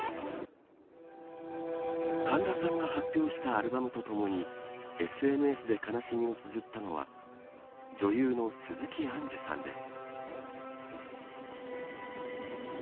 神田さんが発表したアルバムとともにＳＮＳで悲しみをつづったのは女優の鈴木杏樹さんです。